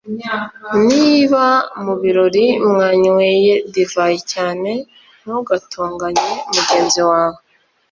Niba mu birori mwanyweye divayi cyane ntugatonganye mugenzi wawe,